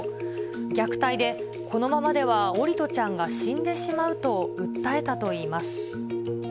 虐待でこのままでは桜利斗ちゃんが死んでしまうと訴えたといいます。